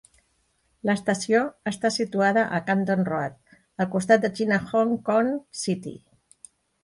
L'estació està situada a Canton Road, al costat del China Hong Kong City.